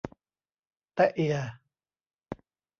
แต๊ะเอีย